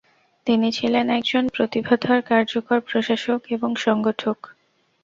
তিনি ছিলেন একজন প্রতিভাধর, কার্যকর প্রশাসক এবং সংগঠক।